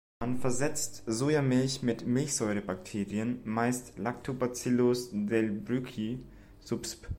Man versetzt Sojamilch mit Milchsäurebakterien, meist "Lactobacillus delbrueckii" subsp.